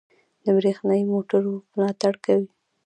د بریښنايي موټرو ملاتړ کوي.